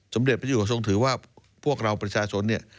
สมเด็จมันอยู่กับทรงถือว่าพวกเราประชาชนเนี่ย